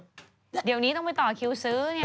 เดี๋ยวนี้ต้องไปต่อคิวซื้อเนี่ย